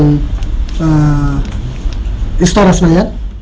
dan istoresnya ya